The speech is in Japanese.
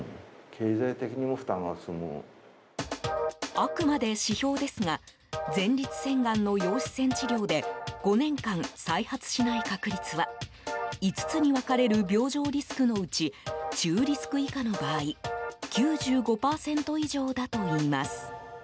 あくまで指標ですが前立腺がんの陽子線治療で５年間、再発しない確率は５つに分かれる病状リスクのうち中リスク以下の場合９５％以上だといいます。